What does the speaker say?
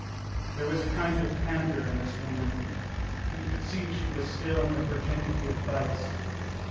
There was a kind of candour in this woman. You could see she was still in the virginity of vice.